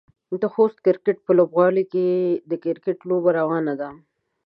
د خوست کرکټ په لوبغالي کې د کرکټ لوبه روانه ده.